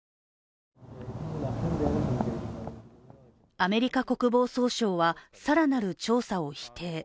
アメリカ国防総省は更なる調査を否定。